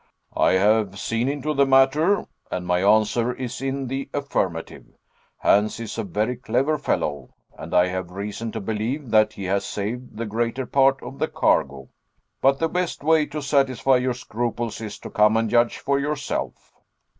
"I have seen into the matter, and my answer is in the affirmative. Hans is a very clever fellow, and I have reason to believe that he has saved the greater part of the cargo. But the best way to satisfy your scruples is to come and judge for yourself."